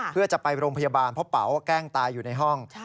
เพื่อจะไปโรงพยาบาลเพราะเป๋าแกล้งตายอยู่ในห้อง